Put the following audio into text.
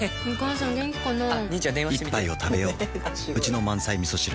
一杯をたべよううちの満菜みそ汁